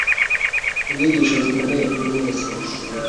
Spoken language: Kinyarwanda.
Inyigisho zikomeye kuri mwese